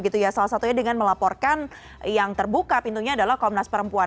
salah satunya dengan melaporkan yang terbuka pintunya adalah komnas perempuan